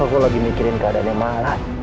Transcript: aku lagi mikirin keadaannya malah